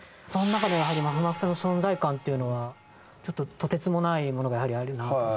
その中でもまふまふさんの存在感っていうのはちょっととてつもないものがやはりあるなと。